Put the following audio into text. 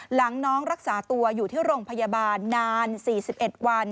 หลังน้องรักษาตัวอยู่ที่โรงพยาบาลนาน๔๑วัน